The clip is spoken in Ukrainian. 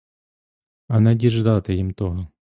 А не діждати їм того.